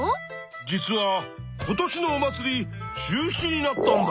実は今年のお祭り中止になったんだ。